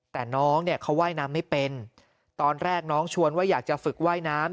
แต่น้องเนี่ยเขาว่ายน้ำไม่เป็นตอนแรกน้องชวนว่าอยากจะฝึกว่ายน้ำ